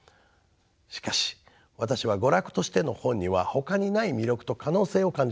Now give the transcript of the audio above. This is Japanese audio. しかし私は娯楽としての本にはほかにない魅力と可能性を感じています。